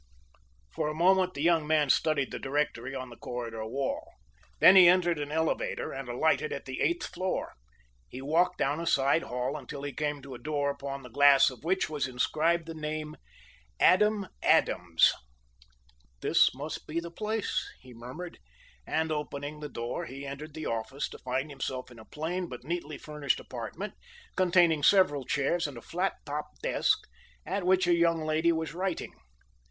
For a moment the young man studied the directory on the corridor wall. Then he entered an elevator and alighted at the eighth floor. He, walked down a side hall until he came to a door upon the glass of which was inscribed the name: Adam Adams "This must be the place," he murmured, and opening the door he entered the office, to find himself in a plain but neatly furnished apartment, containing several chairs, and a flat top desk, at which a young lady was writing.